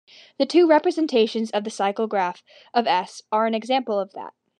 The two representations of the cycle graph of S are an example of that.